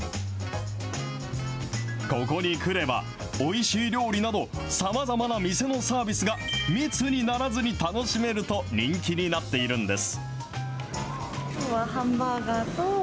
ここに来れば、おいしい料理など、さまざまな店のサービスが密にならずに楽しめると人気になっているんです。